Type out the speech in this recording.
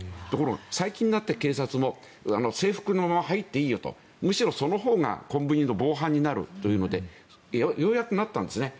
最近になって警察も制服のまま入っていいよとむしろそのほうがコンビニの防犯になるというのでようやくなったんですね。